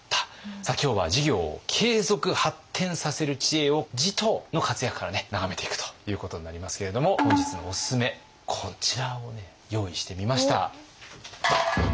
今日は事業を継続・発展させる知恵を持統の活躍から眺めていくということになりますけれども本日のおすすめこちらをね用意してみました。